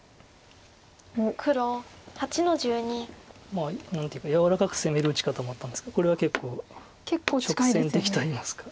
まあ何ていうか柔らかく攻める打ち方もあったんですがこれは結構直線的といいますか。